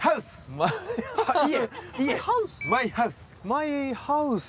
マイハウス！